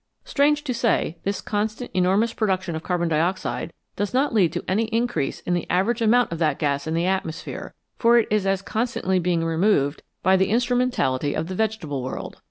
Strange to say, this constant enormous production of carbon dioxide does not lead to any increase in the average amount of that gas in the atmosphere, for it is as constantly being removed by the instrumentality of 43 INVISIBLE SUBSTANCES the vegetable world.